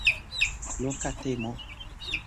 Loka temo.